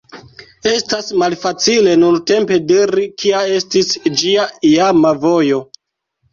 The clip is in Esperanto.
Estas malfacile nuntempe diri, kia estis ĝia iama vojo.